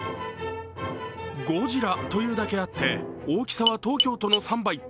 ゴジラというだけあって、大きさは東京都の３倍。